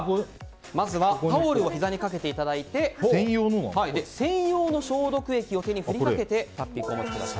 まずはタオルをひざにかけていただいて専用の消毒液を手に振りかけてタッピー君をお持ちください。